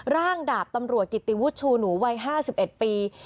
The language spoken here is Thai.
ร่างดาบตำรวจกิตติวุชชูหนูวัย๕๑ปี